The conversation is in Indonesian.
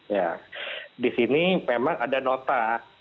ya di sini memang ada nota